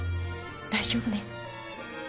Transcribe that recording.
大丈夫ね？